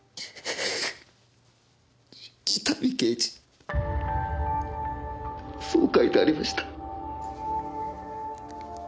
伊丹刑事そう書いてありました。